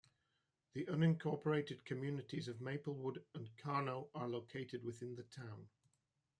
The unincorporated communities of Maplewood, and Carnot are located within the town.